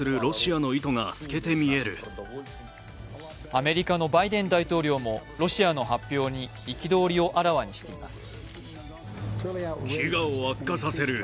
アメリカのバイデン大統領もロシアの発表に憤りをあらわにしています。